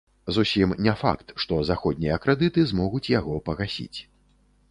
Зусім не факт, што заходнія крэдыты змогуць яго пагасіць.